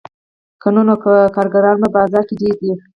که نه نو کارګران په بازار کې ډېر دي